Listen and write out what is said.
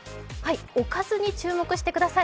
おかずに注目してください。